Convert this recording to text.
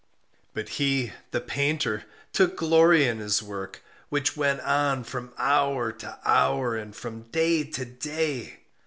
But he, the painter, took glory in his work, which went on from hour to hour, and from day to day.